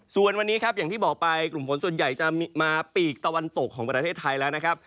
ส่วนวันนี้ครับอย่างที่บอกไปกลุ่มฝนส่วนใหญ่จะมาปีกตะวันตกของประเทศไทยแล้วนะครับ